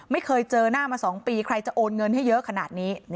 ไม่เคยเจอหน้ามา๒ปีใครจะโอนเงินให้เยอะขนาดนี้